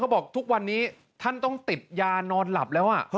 บอกทุกวันนี้ท่านต้องติดยานอนหลับแล้ว